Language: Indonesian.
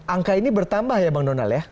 angka ini bertambah ya bang donald ya